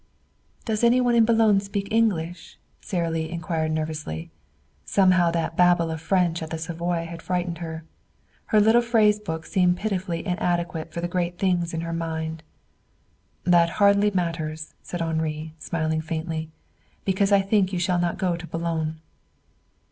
"Does any one in Boulogne speak English?" Sara Lee inquired nervously. Somehow that babel of French at the Savoy had frightened her. Her little phrase book seemed pitifully inadequate for the great things in her mind. "That hardly matters," said Henri, smiling faintly. "Because I think you shall not go to Boulogne."